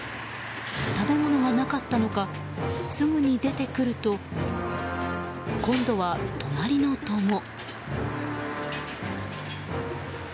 食べ物がなかったのかすぐに出てくると今度は隣の戸も。